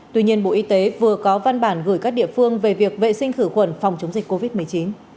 tuy nhiên bộ y tế vừa có văn bản gửi các địa phương về việc vệ sinh khử khuẩn phòng chống dịch covid một mươi chín